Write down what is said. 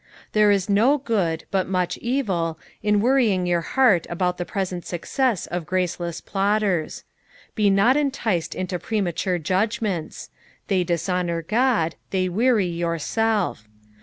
There is no good, but much evil, in worrying your heart about the present success of graceless plotters : be not enticed into pre mature judgments — they dishonour God, they weary yourself.